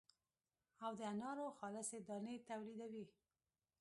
او د انارو خالصې دانې تولیدوي.